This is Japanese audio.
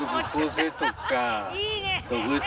いいね！